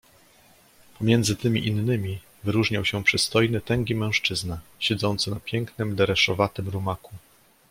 "Pomiędzy tymi „innymi” wyróżniał się przystojny, tęgi mężczyzna, siedzący na pięknym, dereszowatym rumaku."